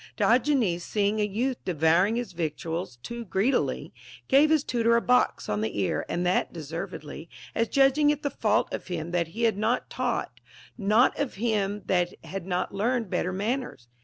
Dio genes, seeing a youth devouring his victuals too greedily, gave his tutor a box on the ear, and that deservedly, as judging it the fault of him that had not taught, not of him that had not learned better manners.